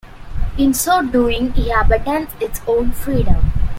In so doing, he abandons his own freedom.